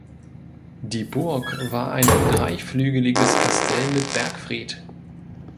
Die Burg war ein dreiflügeliges Kastell mit Bergfried.